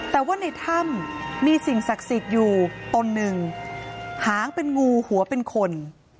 แต่ว่าในถ้ำมีสิ่งศักดิ์สิทธิ์อยู่ตนหนึ่งหางเป็นงูหัวเป็นคน